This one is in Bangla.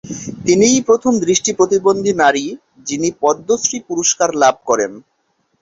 তিনিই প্রথম দৃষ্টি প্রতিবন্ধী নারী, যিনি পদ্মশ্রী পুরস্কার লাভ করেন।